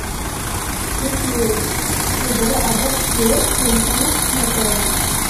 This leads to the adaptive Simpson's method.